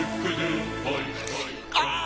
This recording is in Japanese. ああ！